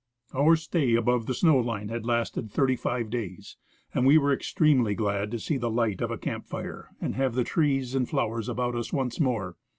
Our stay above the snow line had lasted thirty five days, and we were extremely glad to see the light of a camp fire and have the trees and floAvers about us once more.